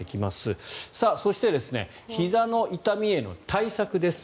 そしてひざの痛みへの対策です。